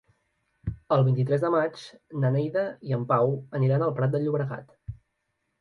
El vint-i-tres de maig na Neida i en Pau aniran al Prat de Llobregat.